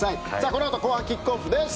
このあと後半キックオフです。